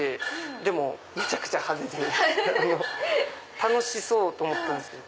でもめちゃくちゃ派手で楽しそうと思ったんですけど。